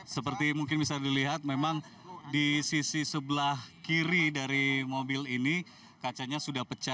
seperti mungkin bisa dilihat memang di sisi sebelah kiri dari mobil ini kacanya sudah pecah